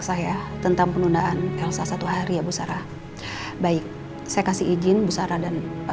saya tentang penundaan elsa satu hari ya bu sarah baik saya kasih izin bu sarah dan pak